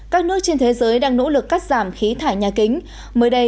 các nước trên thế giới đang nỗ lực cắt giảm khí thải nhà kính mới đây